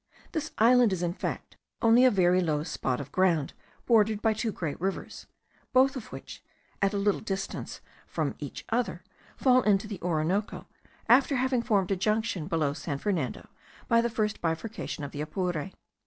This island is in fact only a very low spot of ground, bordered by two great rivers, both of which, at a little distance from each other, fall into the Orinoco, after having formed a junction below San Fernando by the first bifurcation of the Apure.